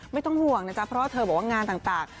ไม่ต้องห่วงนะจ๊ะเพราะว่าเธอบอกว่างานต่าง